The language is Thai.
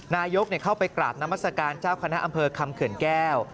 นายกเข้าไปกราบนามัศกาลเจ้าคณะอำเภอคำเขื่อนแก้ว